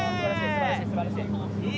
すばらしいすばらしい。